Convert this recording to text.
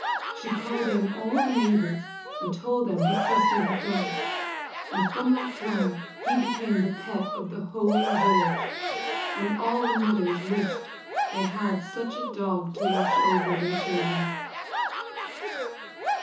She called in all the neighbors, and told them what Trusty had done, and from that time he became the pet of the whole village, and all the mothers wished they had such a dog to watch over their children.